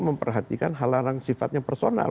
memperhatikan hal halang sifatnya personal